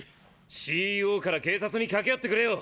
ＣＥＯから警察に掛け合ってくれよ！